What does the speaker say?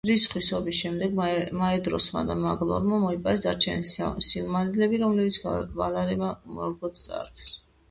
რისხვის ომის შემდეგ მაედროსმა და მაგლორმა მოიპარეს დარჩენილი სილმარილები, რომლებიც ვალარებმა მორგოთს წაართვეს.